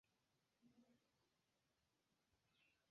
Ĝia hungara loĝantaro pereis dum la submetiĝo turka.